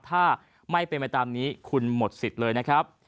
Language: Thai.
ถ้าไม่เป็นไปตามนี้คุณหมดสิทธิ์เลยนะครับ